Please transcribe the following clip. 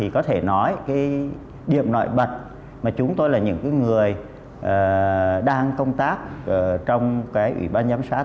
có thể nói điểm nội bật mà chúng tôi là những người đang công tác trong ủy ban giám sát